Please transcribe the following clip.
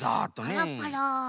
パラパラ。